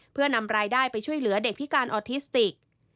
เพื่อนำรายได้ไปช่วยเหลือเด็กพิการออทิสติก